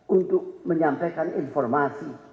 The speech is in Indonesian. untuk menyampaikan informasi